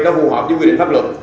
có phù hợp với quy định pháp luật